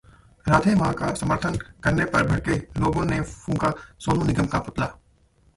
राधे मां का समर्थन करने पर भड़के लोगों ने फूंका सोनू निगम का पुतला